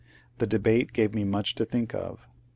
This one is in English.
The debate gave me much to think of.